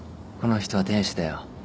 この人は天使だよ。